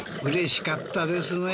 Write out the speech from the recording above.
うれしかったですね。